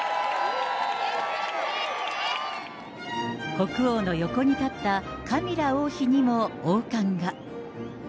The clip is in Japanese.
国王の横に立ったカミラ王妃にも王冠が。